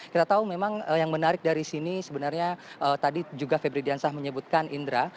kita tahu memang yang menarik dari sini sebenarnya tadi juga febri diansah menyebutkan indra